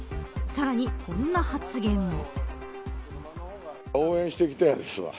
さらにこんな発言も。